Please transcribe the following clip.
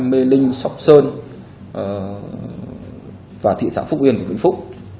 mê linh sóc sơn và thị xã phúc yên của vĩnh phúc